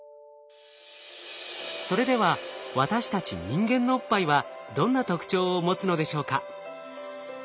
それでは私たち人間のおっぱいはどんな特徴を持つのでしょうか？